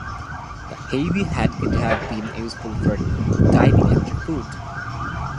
The heavy head could have been useful for diving after food.